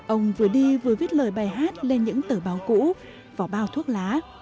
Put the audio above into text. ông vừa đi vừa viết lời bài hát lên những tờ báo cũ vỏ bao thuốc lá